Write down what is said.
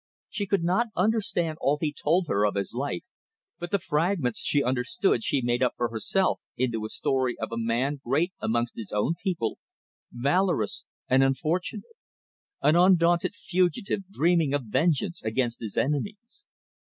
She could not understand all he told her of his life, but the fragments she understood she made up for herself into a story of a man great amongst his own people, valorous and unfortunate; an undaunted fugitive dreaming of vengeance against his enemies.